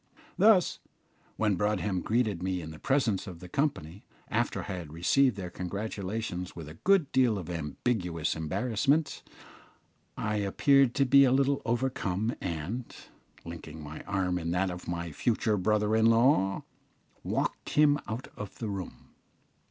Thus, when Broadhem greeted me in the presence of the company, after I had received their congratulations with a good deal of ambiguous embarrassment, I appeared to be a little overcome, and, linking my arm in that of my future brother in law, walked him out of the room.